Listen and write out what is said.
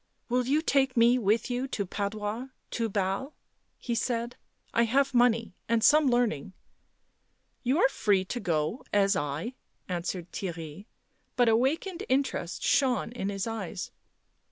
"Will you take me with you to Padua — to Basle?" he said. " I have money and some learning." " You are free to go as I," answered Theirry, but av r akened interest shone in his eyes.